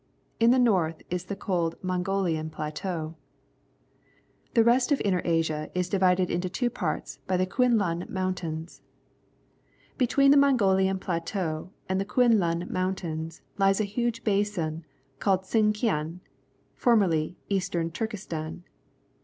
In the north is the cold Man aoli anPlaieaiL The rest of Inner Asia is divided into two parts by the Kuen hni Mountains. Be In the Mountainous Country, Tibet tween the Mongohan Plateau and the Kuen lun Mountains lies a huge basin, called Sinkiang (formerly Eastern Turkestan).